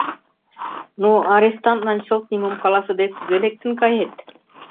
Но, арестантлан чылт нимом каласыде, кузе лектын кает?